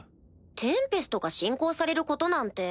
テンペストが侵攻されることなんて。